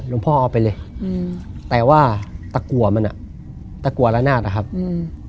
พ่อเอาไปเลยอืมแต่ว่าตะกัวมันอ่ะตะกัวละนาดอะครับอืม